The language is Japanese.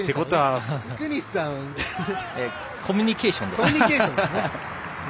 コミュニケーションですからね。